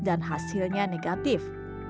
dan hasilnya negatif